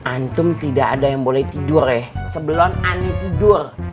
antum tidak ada yang boleh tidur ya sebelum ani tidur